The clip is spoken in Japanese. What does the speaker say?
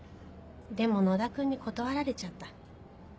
でも野田君に断られちゃった。